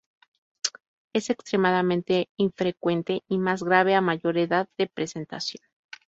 Es extremadamente infrecuente, y más grave a mayor edad de presentación.